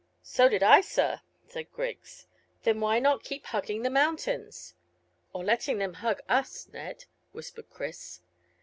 "So did I, sir," said Griggs. "Then why not keep hugging the mountains?" "Or letting them hug us, Ned," whispered Chris.